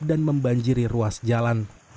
dan membanjiri ruas jalan